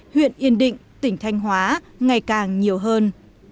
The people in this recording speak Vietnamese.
huyện yên định tỉnh thanh hóa ngày càng nhiều hơn